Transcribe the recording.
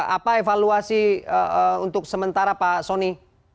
apa evaluasi untuk sementara pak soni